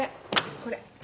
これ。